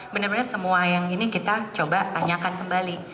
benar benar semua yang ini kita coba tanyakan kembali